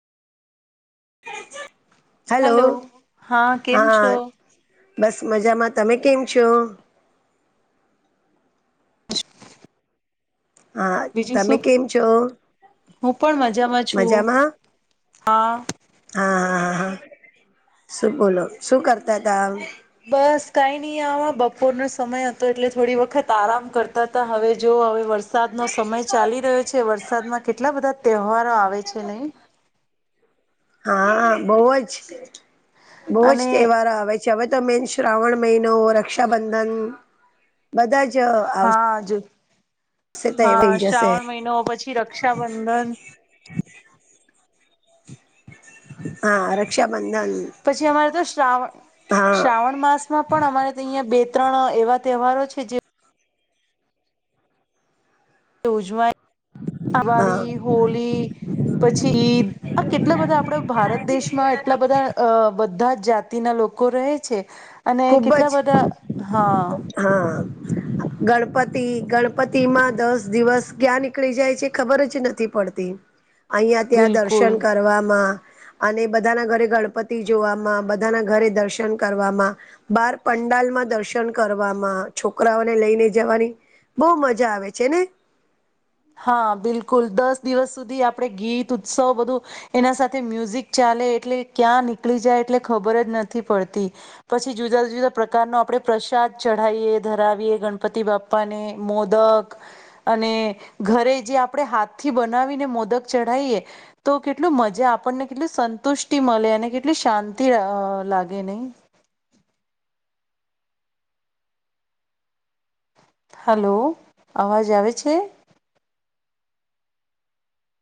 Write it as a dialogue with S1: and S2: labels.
S1: Hello
S2: કેમ
S1: હા
S2: છો
S1: બસ મજામાં તમે કેમ છો. હા
S2: બીજું
S1: તમે
S2: શું
S1: કેમ છો.
S2: હું પણ મજામાં છું
S1: મજામાં
S2: હા
S1: હા હા હા હા શું બોલો શું કરતા હતામ
S2: બસ કઈ નહી આવા બપોરનોો સમય હતો એટલે થોડી વખત આરામ કરતા હતા હવે જો હવે વરસા વરસાદ નો સમય ચાલી રહ્યો છે વરસાદમાં કેટલા બધા તહેવારો આવે છે નહી.
S1: હા બહ જ બહજ
S2: અને
S1: તહેવારો આવે છે. ચવે તો મેન શ્રાવણ મહિનો રક્ષાબંધન બધા જ આવશે
S2: હાજ
S1: તઈ થઈ
S2: હા
S1: જશે
S2: શ્રાવણ મહિનો પછી રક્ષાબંધન
S1: હા રક્ષાબંધ
S2: પછી અમારે તો શ્રાવણ
S1: હા
S2: શ્રાવણ માસ માં પણ અમારે અહીંયા બે ત્રણ એવા તહેવારો છે જે ઉજમાય
S1: હા
S2: દિવાળી હોળ પછી ઇદ કેટલા બધા આપડા ભારત દેશમાં એટલા બધા અ બધા જ જાતિના લોકો રહે છે અને
S1: ખુબ જ
S2: કેટલા બધા હા
S1: હા ગણપતિ ગણપતિ માં દસ દિવસ ક્યાં નીકળી જાય છે ખબર જ નથી પડતી અહં ત્યાં
S2: બિલકુલ
S1: દર્શન કરવામાં અને બધાના ઘરે ગણપતિ જોવામાં બધાના ઘરે દર્શન કરવામાં બાર પંડાલમાં દર્શ કરવામાં છોકરાઓને લઈને જવાની બહ મજા આવે છે ને
S2: હા બિલકુલ દસ દિવસ સુધી આપડણે ગીત ઉત્સવ બધું એના સાથે મ્યુઝિક ચાલે એટલે ક્યાં નીકળી જાય એટલે ખબર જ નથી પડતી પછી જુદા જુદા પ્રકારનો આપણે પ્રસાદ ચઢાવીએ ધરાવીએ ગણપતિ બાપ આપને મોદક અને ઘરે જે આપણે હાથથી બનાવીને મોદક ચઢાવએ તો કેટલું મજા આપણને કેટલું સંતુષ્ટિ મળે અને કેટલી શાંતિ લાગે નહી. હલો અવાજ આવે છે.